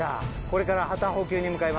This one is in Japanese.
これから。